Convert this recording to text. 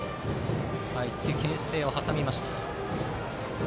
１球、けん制を挟みました。